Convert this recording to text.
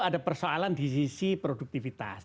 ada persoalan di sisi produktivitas